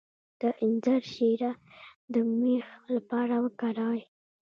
د انځر شیره د میخ لپاره وکاروئ